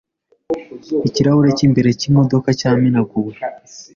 Ikirahuri cy'imbere cy'imodoka cyamenaguwe.